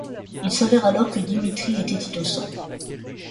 Il s'avère alors que Dimitris était innocent.